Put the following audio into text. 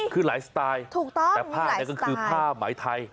คือหลายสไตล์ถูกต้องแต่ผ้าเนี่ยก็คือผ้าไหมไทย